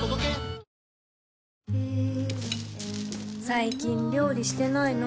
最近料理してないの？